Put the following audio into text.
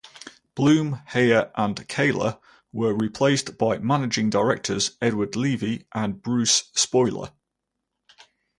Bloom, Heyer and Kehler were replaced by managing directors Edward Levy and Bruce Spohler.